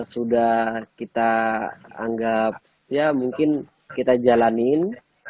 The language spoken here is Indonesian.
sudah kita anggap ya mungkin kita jalanin